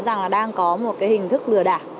rằng là đang có một cái hình thức lừa đảo